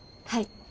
はい。